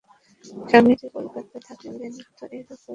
স্বামীজী কলিকাতায় থাকিলে নিত্যই এইরূপ হইত।